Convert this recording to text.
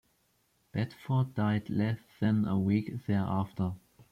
Bedford died less than a week thereafter.